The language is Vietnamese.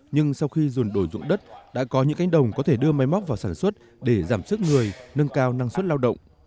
nhưng sau khi dồn đổi dụng đất đã có những cánh đồng có thể đưa máy móc vào sản xuất để giảm sức người nâng cao năng suất lao động